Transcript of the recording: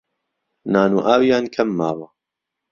نان و ئاویان کەم ماوە